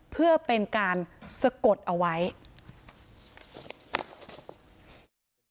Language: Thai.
เพื่อเป็นการสะกดเอาไว้